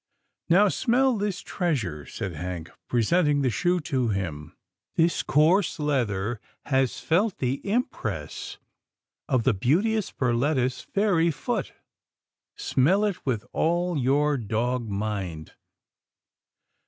" Now smell this treasure," said Hank, present ing the shoe to him, " this coarse leather has felt the impress of the beauteous Perletta's fairy foot. Smell it with all your dog mind."